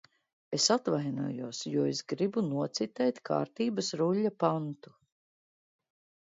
Es atvainojos, jo es gribu nocitēt Kārtības ruļļa pantu.